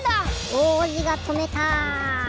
王子がとめた。